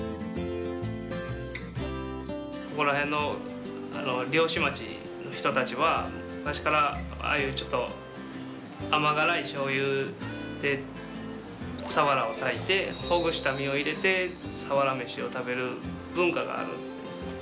ここら辺の漁師町の人たちは昔から甘辛いしょうゆでサワラを炊いてほぐした身を入れてサワラめしを食べる文化があるんです。